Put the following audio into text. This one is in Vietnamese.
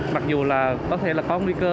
mặc dù là có thể là có nguy cơ